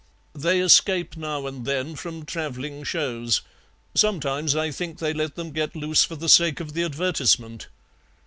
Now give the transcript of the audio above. "They escape now and then from travelling shows. Sometimes I think they let them get loose for the sake of the advertisement.